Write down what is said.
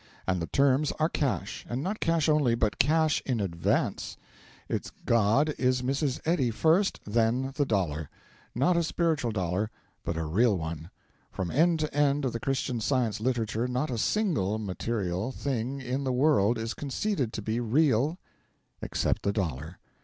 And the terms are cash; and not cash only but cash in advance. Its god is Mrs. Eddy first, then the Dollar. Not a spiritual Dollar, but a real one. From end to end of the Christian Science literature not a single (material) thing in the world is conceded to be real, except the Dollar.